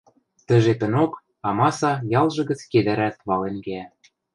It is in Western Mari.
Тӹ жепӹнок амаса ялжы гӹц кедӓрӓлт вален кеӓ.